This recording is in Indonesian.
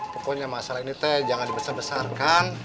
pokoknya masalah ini teh jangan dibesarkan